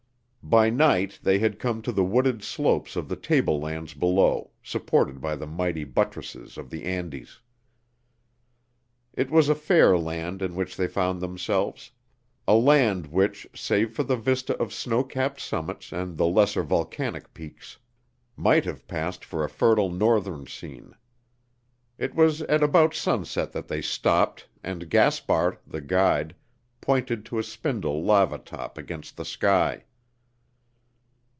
By night they had come to the wooded slopes of the table lands below, supported by the mighty buttresses of the Andes. It was a fair land in which they found themselves a land which, save for the vista of snow capped summits and the lesser volcanic peaks, might have passed for a fertile Northern scene. It was at about sunset that they stopped and Gaspar, the guide, pointed to a spindle lava top against the sky.